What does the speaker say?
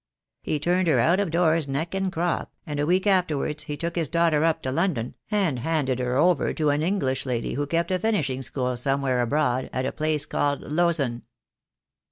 He turned her out of doors neck and crop, and a week afterwards he took his daughter up to London and handed her over to an English lady, who kept a finishing school somewhere abroad, at a place called Losun."